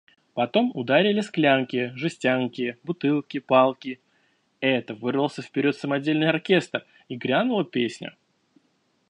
Потом ударили склянки, жестянки, бутылки, палки – это вырвался вперед самодельный оркестр, и грянула песня.